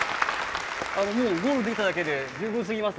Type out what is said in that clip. もうゴールできただけで十分すぎます